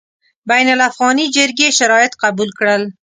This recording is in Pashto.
بین الافغاني جرګې شرایط قبول کړل.